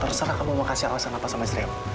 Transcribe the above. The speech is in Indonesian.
terserah kamu mau kasih alasan apa sama istri kamu